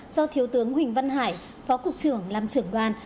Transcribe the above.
do thiếu tướng huỳnh văn hải phó cục trưởng làm trưởng đoàn